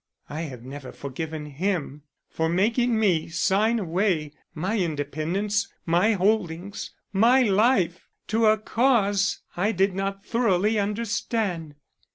I have never forgiven him for making me sign away my independence, my holdings, and my life to a Cause I did not thoroughly understand."